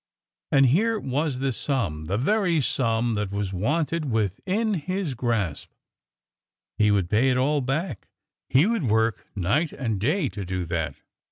And here was the sum the very sum that was wanted within his grasp. He would pay it all back; he would work night and day to do that.